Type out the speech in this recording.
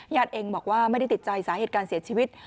เองบอกว่าไม่ได้ติดใจสาเหตุการเสียชีวิต